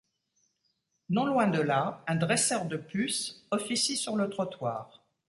Non loin de là, un dresseur de puces officie sur le trottoir.